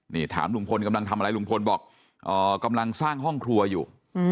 นี่ถามลุงพลกำลังทำอะไรลุงพลบอกกำลังสร้างห้องครัวอยู่